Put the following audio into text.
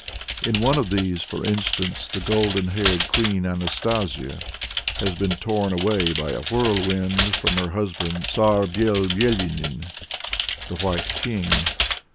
In one of these, for instance, the golden haired Queen Anastasia has been torn away by a whirlwind from her husband "Tsar Byel Byelyanin" [the White King].